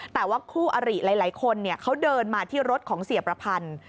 แต่ว่าคู่อริหลายคนเขาเดินมาที่รถของเสียประพันธ์